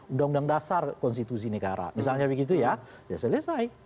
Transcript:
uu dasar konstitusi negara misalnya begitu ya ya selesai